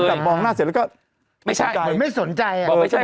เหมือนกับมองหน้าเสร็จแล้วก็ไม่ใช่เหมือนไม่สนใจอ่ะไม่ใช่